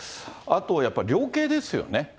あと、やっぱり量刑ですよね。